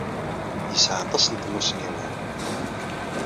Yesɛa aṭas n tmussniwin.